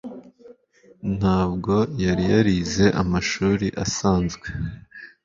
Ntabwo yari yarize amashuri asanzwe